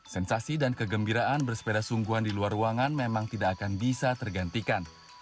sensasi dan kegembiraan bersepeda sungguhan di luar ruangan memang tidak akan bisa tergantikan